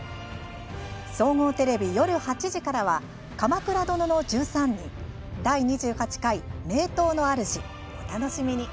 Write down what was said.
総合テレビ夜８時からは「鎌倉殿の１３人」第２８回「名刀の主」お楽しみに。